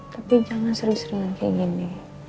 tapi jangan sering seringan kayak gini